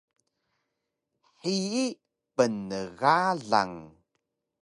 Hiyi pnegalang